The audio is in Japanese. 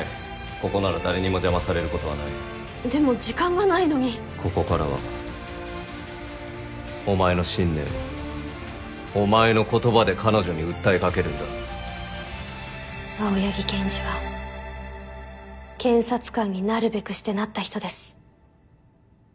ここなら誰にも邪魔されることはないでも時間がないのにここからはお前の信念をお前の言葉で彼女に訴えかけるんだ青柳検事は検察官になるべくしてなった人です。